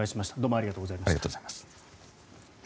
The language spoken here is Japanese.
ありがとうございます。